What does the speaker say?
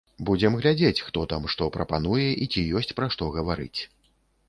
Будзем глядзець, хто там што прапануе, і ці ёсць пра што гаварыць.